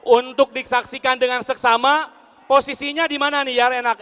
untuk disaksikan dengan seksama posisinya di mana nih ya renak